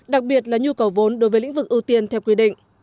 đặc biệt là nhu cầu vốn đối với lĩnh vực ưu tiên theo quy định